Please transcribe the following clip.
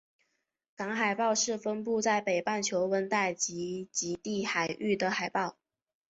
港海豹是分布在北半球温带及极地海域的海豹。